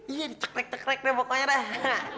iya dicekrek cekrek deh fotonya dah